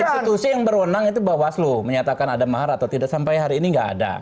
institusi yang berwenang itu bawaslu menyatakan ada mahar atau tidak sampai hari ini nggak ada